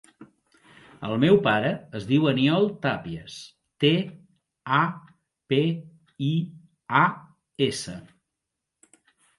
El meu pare es diu Aniol Tapias: te, a, pe, i, a, essa.